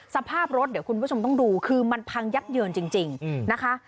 สภาพรถเดี๋ยวคุณผู้ชมต้องดูคือมันพังยับเยินจริงนะคะ